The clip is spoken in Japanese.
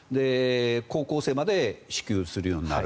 高校生まで支給するようになる。